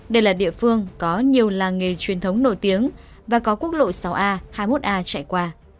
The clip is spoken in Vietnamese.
đây là địa phương có nhiều làng nghề truyền thống nổi tiếng và có quốc lộ sáu a hai mươi một a chạy qua